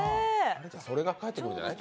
それがかえってきてるんじゃない？